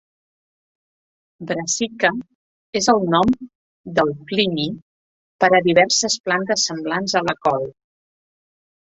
"Brassica" és el nom de Plini per a diverses plantes semblants a la col.